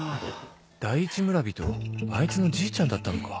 第一村人あいつのじいちゃんだったのか